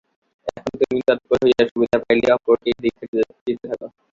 এখন তুমিও তৎপর হইয়া সুবিধা পাইলেই অপরকে এই দীক্ষা দিতে থাক।